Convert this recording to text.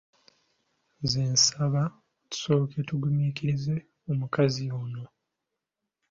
Nze nsaba tusooke tugumiikirize omukazi ono.